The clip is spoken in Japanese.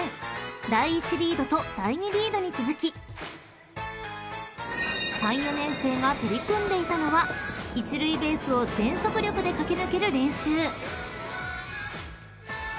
第一リードと第二リードに続き３・４年生が取り組んでいたのは一塁ベースを全速力で駆け抜ける練習］